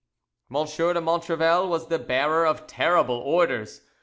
M de Montrevel was the bearer of terrible orders.